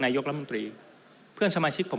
นายกรัฐมนตรีเพื่อนสมาชิกผม